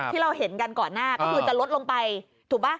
ที่เราเห็นกันก่อนหน้าก็คือจะลดลงไปถูกป่ะ